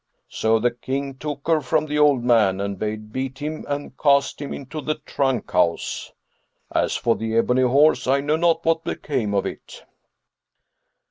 So the King took her from the old man and bade beat him and cast him into the trunk house. As for the ebony horse, I know not what became of it."